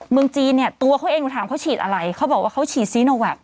เมืองจีนเนี่ยตัวเขาเองหนูถามเขาฉีดอะไรเขาบอกว่าเขาฉีดซีโนแวค